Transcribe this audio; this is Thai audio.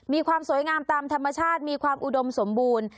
มีความสวยงามตามธรรมชาติมีความอุดมสมบูรณ์